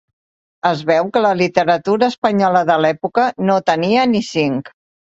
Es veu que la literatura espanyola de l'època no tenia ni cinc.